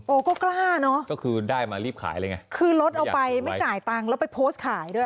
ก็กล้าเนอะก็คือได้มารีบขายเลยไงคือรถเอาไปไม่จ่ายตังค์แล้วไปโพสต์ขายด้วย